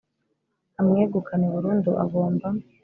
amwegukane burundu agomba